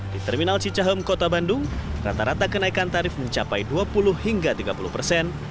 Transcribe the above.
di terminal cicahem kota bandung rata rata kenaikan tarif mencapai dua puluh hingga tiga puluh persen